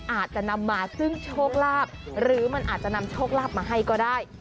อาจจะนำมาซึ่งโชคลาภหรือมันอาจจะนำโชคลาภมาให้ก็ได้